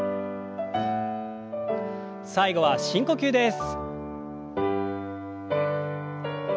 最後は深呼吸です。